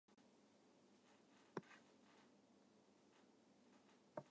パ＝ド＝カレー県の県都はアラスである